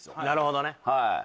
なるほどね。